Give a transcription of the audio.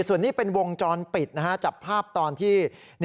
ส่วนนี้เป็นวงจรปิดนะฮะจับภาพตอนที่